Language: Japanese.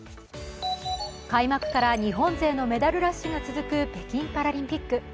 開幕から日本勢のメダルラッシュが続く北京パラリンピック。